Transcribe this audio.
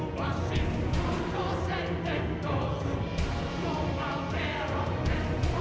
และนำมือให้ดี